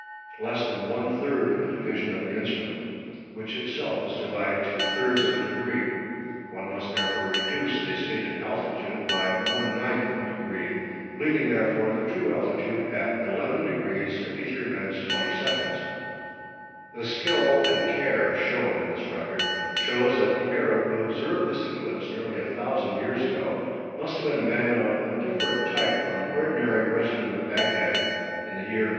less the one third of a division of the instrument, which itself was divided to thirds of a degree. One must therefore reduce the stated altitude by one ninth of a degree, leaving, therefore, the true altitude as 11° 53′ 20″." The skill and care shown in this record shows that the Arab who observed this eclipse nearly a thousand years ago must have been a man of a different type from an ordinary resident at Bagdad in the year 1899.